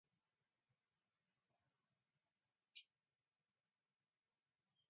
Ta mu ɗif na war pinziba Musgum.